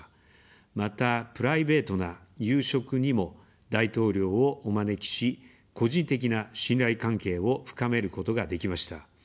また、プライベートな夕食にも大統領をお招きし、個人的な信頼関係を深めることができました。